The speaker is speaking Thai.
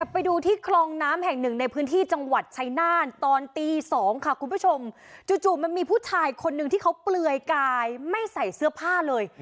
ไปดูที่คลองน้ำแห่งหนึ่งในพื้นที่จังหวัดชายนาฏตอนตี๒ค่ะคุณผู้ชมจู่มันมีผู้ชายคนหนึ่งที่เขาเปลือยกายไม่ใส่เสื้อผ้าเลย